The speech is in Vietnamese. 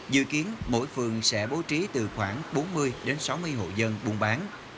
dự kiến mỗi phường sẽ bố trí từ khoảng bốn mươi đến sáu mươi hộ dân buôn bán